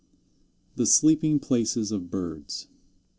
THE SLEEPING PLACES OF BIRDS.